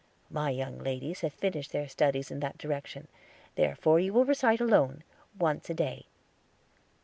My young ladies have finished their studies in that direction; therefore you will recite alone, once a day."